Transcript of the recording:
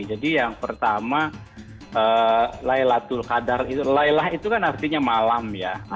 jadi yang pertama laylatul qadar itu laylah itu kan artinya malam ya